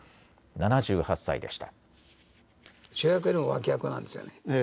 ７８歳でした。